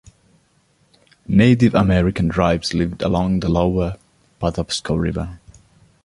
Native American tribes lived along the lower Patapsco river.